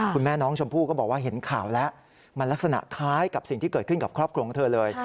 คุณแม่น้องชมพู่ก็บอกว่าเห็นข่าวแล้วมันลักษณะคล้ายกับสิ่งที่เกิดขึ้นกับครอบครัวของเธอเลย